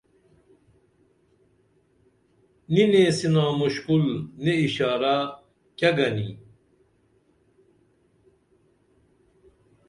نی نیسینا مُشکُل نی اشارہ کیہ گنی